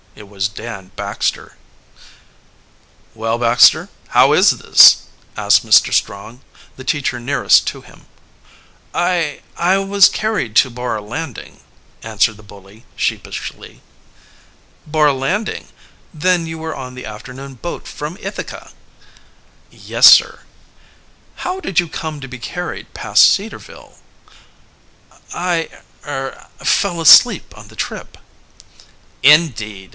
It was Dan Baxter. "Well, Baxter, how is this?" asked Mr. Strong, the teacher nearest to him. "I I was carried to Bar Landing," answered the bully sheepishly. "Bar Landing? Then you were on the afternoon boat from Ithaca?" "Yes, sir." "How did you come to be carried past Cedarville?" "I er fell asleep on the trip." "Indeed!